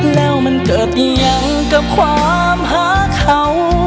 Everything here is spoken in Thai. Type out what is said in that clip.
แล้วมันเกิดอย่างกับความหาเขา